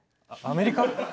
アアメリカ？